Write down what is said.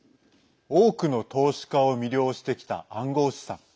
多くの投資家を魅了してきた暗号資産。